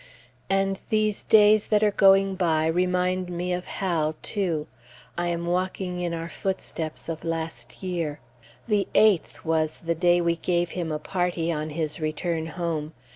And these days that are going by remind me of Hal, too. I am walking in our footsteps of last year. The eighth was the day we gave him a party, on his return home.